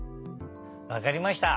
わかりました。